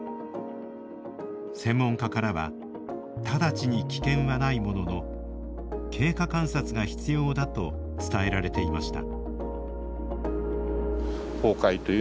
専門家からは直ちに危険はないものの経過観察が必要だと伝えられていました。